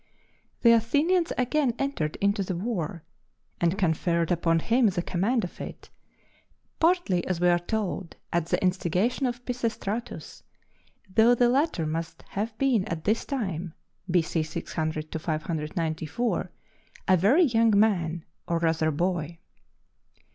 The Athenians again entered into the war, and conferred upon him the command of it partly, as we are told, at the instigation of Pisistratus, though the latter must have been at this time (B.C. 600 594) a very young man, or rather a boy.